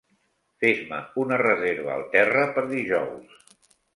Fes-me una reserva al Terra per dijous.